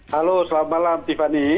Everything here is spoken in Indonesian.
halo selamat malam tiffany